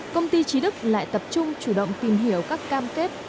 công ty trí đức lại tập trung chủ động tìm hiểu các cam kết